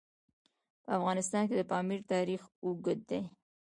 په افغانستان کې د پامیر تاریخ اوږد دی.